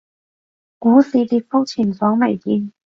股市跌幅前所未見